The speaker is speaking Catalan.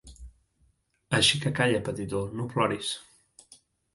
Així que calla, petitó, no ploris.